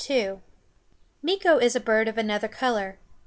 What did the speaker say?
Meeko is a bird of another color.